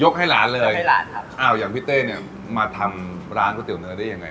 ให้หลานเลยให้หลานครับอ้าวอย่างพี่เต้เนี่ยมาทำร้านก๋วยเตี๋เนื้อได้ยังไง